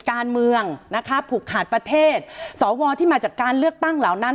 การเมืองนะคะผูกขาดประเทศสวที่มาจากการเลือกตั้งเหล่านั้น